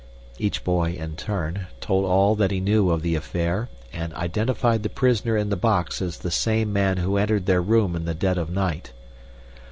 Each boy, in turn, told all that he knew of the affair and identified the prisoner in the box as the same man who entered their room in the dead of night.